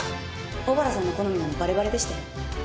小原さんの好みなのバレバレでしたよ。